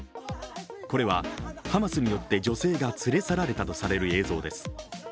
これはハマスによって女性が連れ去られたとされる映像です。